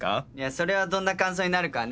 それはどんな感想になるかはね